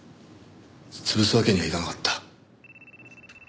潰すわけにはいかなかった。